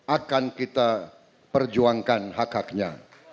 akan kita perjuangkan hak haknya